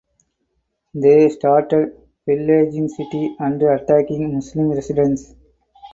They started pillaging city and attacking Muslim residents.